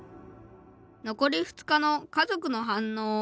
「残り二日の家族の反応。